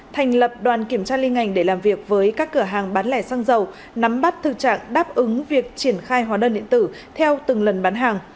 thành lập đoàn kiểm tra liên ngành để làm việc với các cửa hàng bán lẻ xăng dầu nắm bắt thực trạng đáp ứng việc triển khai hóa đơn điện tử theo từng lần bán hàng